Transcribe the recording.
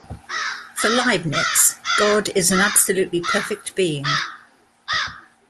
For Leibniz, God is an absolutely perfect being.